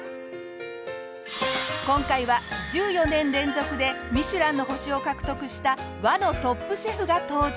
今回は１４年連続でミシュランの星を獲得した和のトップシェフが登場。